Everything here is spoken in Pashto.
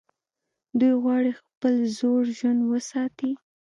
دوی غواړي خپل زوړ ژوند وساتي.